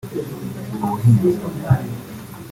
ubuhinzi